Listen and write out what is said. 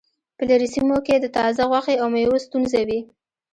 په لرې سیمو کې د تازه غوښې او میوو ستونزه وي